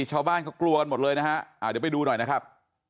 ชาวบ้านเขากลัวกันหมดเลยนะฮะเดี๋ยวไปดูหน่อยนะครับ